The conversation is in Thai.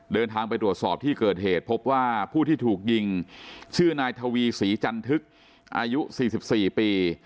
เดินทางไปตรวจสอบที่เกิดเหตุพบว่าผู้ที่ถูกยิงชื่อนายทวีศรีจันทึกอายุ๔๔ปี